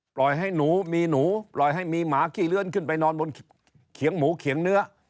ปล่อยให้หนูมีหนูปล่อยให้มีหมาขี้เลื้อนขึ้นไปนอนบนเขียงหมูเขียงเนื้อ